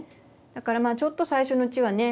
だからちょっと最初のうちはね